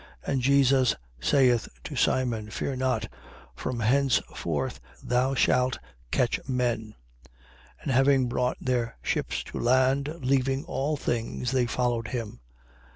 And Jesus saith to Simon: Fear not: from henceforth thou shalt catch men. 5:11. And having brought their ships to land, leaving all things, they followed him.